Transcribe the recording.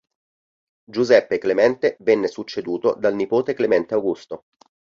Giuseppe Clemente venne succeduto dal nipote Clemente Augusto.